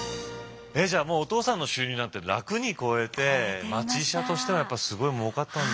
えっじゃあもうお父さんの収入なんて楽に超えて町医者としてはやっぱすごいもうかったんだ。